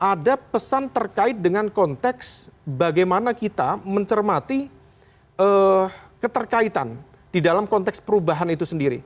ada pesan terkait dengan konteks bagaimana kita mencermati keterkaitan di dalam konteks perubahan itu sendiri